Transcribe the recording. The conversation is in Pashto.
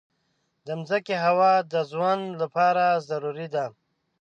د مځکې هوا د ژوند لپاره ضروري ده.